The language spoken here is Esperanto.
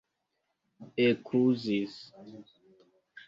ekuzis